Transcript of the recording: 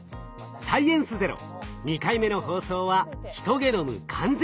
「サイエンスＺＥＲＯ」２回目の放送は「ヒトゲノム完全解読」でした。